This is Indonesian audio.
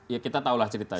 ya kita tahulah ceritanya